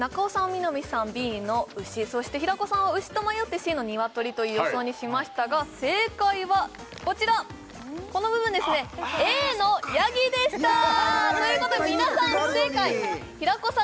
南さんＢの牛そして平子さんは牛と迷ってＣのニワトリという予想にしましたが正解はこちらこの部分ですねＡのヤギでした！ということで皆さん不正解平子さん